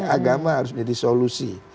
agama harus menjadi solusi